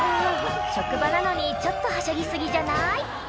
職場なのにちょっとはしゃぎ過ぎじゃない？